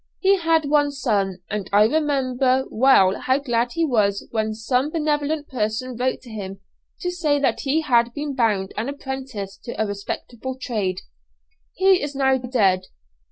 He had one son, and I remember well how glad he was when some benevolent person wrote to him to say that he had been bound an apprentice to a respectable trade. He is now dead.